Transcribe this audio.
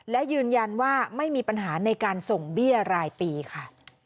และยืนยันว่าไม่มีปัญหาในการส่งเบี้ยรายปีค่ะ